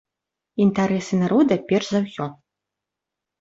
Інтарэсы народа перш за ўсё!